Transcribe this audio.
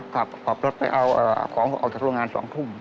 ขับรถไปเอาของออกจากโรงงาน๒ทุ่ม